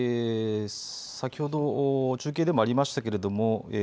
先ほど中継でもありましたけれども。